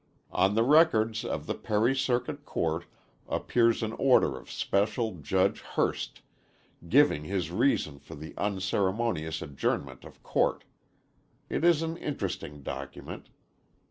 On the records of the Perry Circuit Court appears an order of Special Judge Hurst, giving his reason for the unceremonious adjournment of court. It is an interesting document.